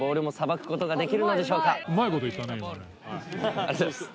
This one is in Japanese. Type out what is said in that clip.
ありがとうございます。